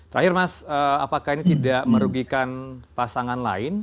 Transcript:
terakhir mas apakah ini tidak merugikan pasangan lain